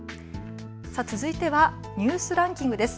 続いてはニュースランキングです。